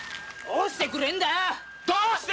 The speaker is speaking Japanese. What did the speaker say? どうしてくれるんだよ！